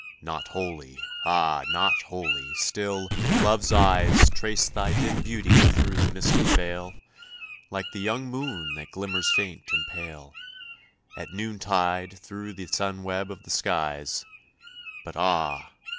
Not wholly ah! not wholly still Love's eyes Trace thy dim beauty through the mystic veil, Like the young moon that glimmers faint and pale, At noontide through the sun web of the skies; But ah!